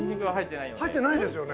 入ってないですよね。